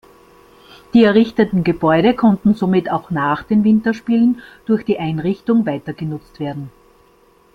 Die errichteten Gebäude konnten somit auch nach den Winterspielen durch die Einrichtung weitergenutzt werden.